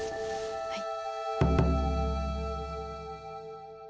はい。